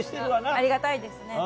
ありがたいですね。